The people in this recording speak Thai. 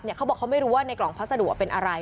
เขาบอกเขาไม่รู้ว่าในกล่องพัสดุเป็นอะไร